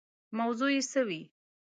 موضوع یې څه وي.